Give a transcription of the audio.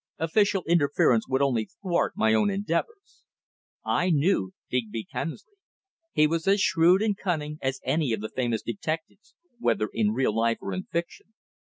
Official interference would only thwart my own endeavours. I knew Digby Kemsley. He was as shrewd and cunning as any of the famous detectives, whether in real life or in fiction.